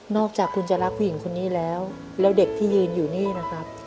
อกจากคุณจะรักผู้หญิงคนนี้แล้วแล้วเด็กที่ยืนอยู่นี่นะครับ